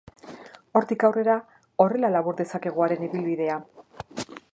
Hortik aurrera horrela labur dezakegu haren ibilbidea.